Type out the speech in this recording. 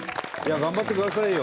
頑張ってくださいよ！